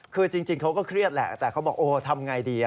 คือจริงเขาก็เครียดแหละแต่เขาบอกโอ้ทำไงดี